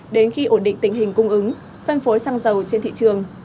đến khi ổn định tình hình cung ứng phân phối xăng dầu trên thị trường